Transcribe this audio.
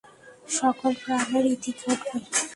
সকল প্রাণের ইতি ঘটবে।